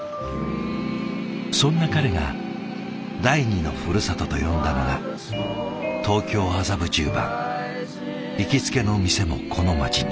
そんな彼が第二のふるさとと呼んだのが行きつけの店もこの街に。